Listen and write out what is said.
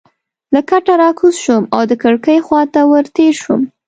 له کټه راکوز شوم او د کړکۍ خوا ته ورتېر شوم.